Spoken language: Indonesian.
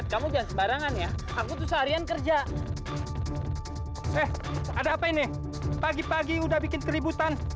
kamu jangan sembarangan ya aku tuh seharian kerja eh ada apa ini pagi pagi udah bikin keributan